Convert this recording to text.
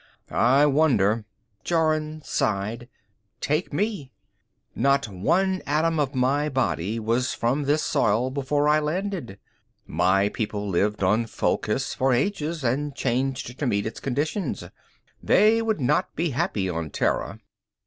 "I wonder " Jorun sighed. "Take me; not one atom of my body was from this soil before I landed. My people lived on Fulkhis for ages, and changed to meet its conditions. They would not be happy on Terra."